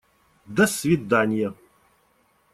До свиданья!